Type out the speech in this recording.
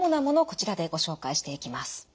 こちらでご紹介していきます。